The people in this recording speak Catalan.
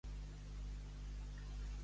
Abeurar la tita.